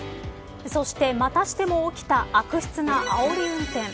そして、またしても起きた悪質なあおり運転。